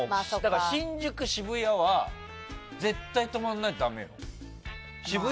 新宿、渋谷は絶対止まらないとダメよ。